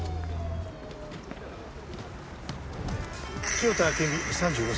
清田暁美３５歳。